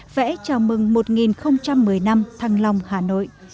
vẽ chào mừng một nghìn một mươi năm thăng long hà nội